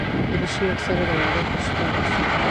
دریشي اکثره د واده پر شپه اغوستل کېږي.